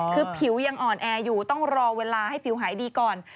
คือผิวยังอ่อนแออยู่ต้องรอเวลาให้ผิวหายดีก่อน